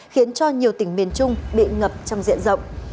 khiến cho nhiều tỉnh miền trung bị ngập trong diện rộng